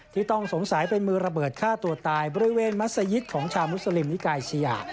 ที่ต้องสงสัยเป็นมือระเบิดฆ่าตัวตายบริเวณมัศยิตของชาวมุสลิมนิกายเชีย